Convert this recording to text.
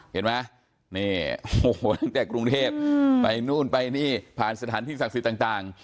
เห็นไหมนี่โอ้โหตั้งแต่กรุงเทพไปนู่นไปนี่ผ่านสถานที่ศักดิ์สิทธิ์ต่าง